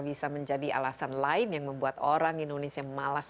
bisa menjadi alasan lain yang membuat orang indonesia malas